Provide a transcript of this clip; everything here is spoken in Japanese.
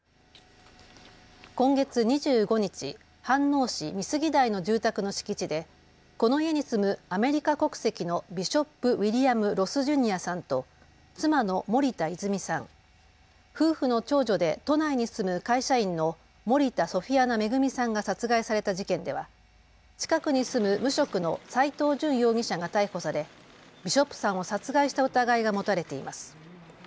今月２５日、飯能市美杉台の住宅の敷地でこの家に住むアメリカ国籍のビショップ・ウィリアム・ロス・ジュニアさんと妻の森田泉さん、夫婦の長女で都内に住む会社員の森田ソフィアナ恵さんが殺害された事件では近くに住む無職の斎藤淳容疑者が逮捕されビショップさんを殺害した疑いが持たれています。